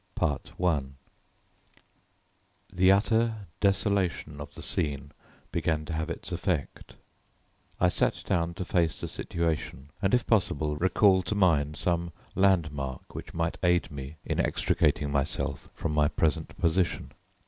I The utter desolation of the scene began to have its effect; I sat down to face the situation and, if possible, recall to mind some landmark which might aid me in extricating myself from my present position.